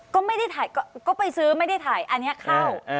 ก็ไม่ได้ถ่ายก็ไปซื้อไม่ได้ถ่ายอันนี้เข้า